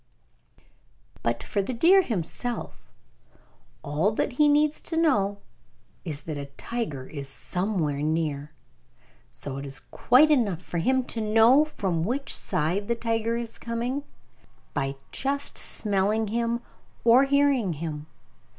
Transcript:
But for the deer himself, all that he needs to know is that a tiger is somewhere near. So it is quite enough for him to know from which side the tiger is coming, by just smelling him or hearing him.